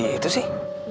kok bisa gitu sih